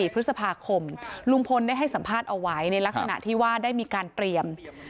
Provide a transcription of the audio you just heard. พฤษภาคมลุงพลได้ให้สัมภาษณ์เอาไว้ในลักษณะที่ว่าได้มีการเตรียม